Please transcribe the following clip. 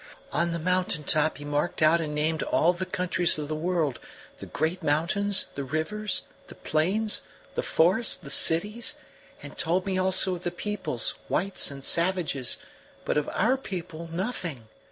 "On the mountain top he marked out and named all the countries of the world, the great mountains, the rivers, the plains, the forests, the cities; and told me also of the peoples, whites and savages, but of our people nothing.